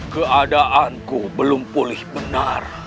keadaanku belum pulih benar